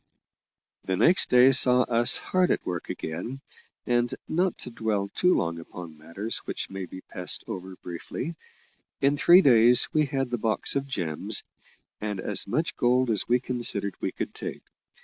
The next day saw us hard at work again, and, not to dwell too long upon matters which may be passed over briefly, in three days we had the box of gems, and as much gold as we considered we could take.